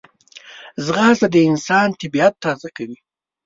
ځغاسته د انسان طبیعت تازه کوي